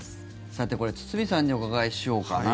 さて、これ堤さんにお伺いしようかな。